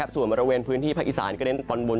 ส่วนบริเวณพื้นที่ภาคอีสานก็เล่นตอนบน